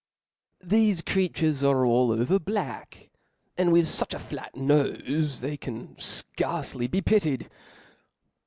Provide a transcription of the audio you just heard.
Thefe creatures are all over black, and with fuch a flat nofe, that they can fcarc^ly be pitied.